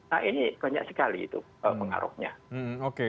nah ini banyak sekali itu pengaruhnya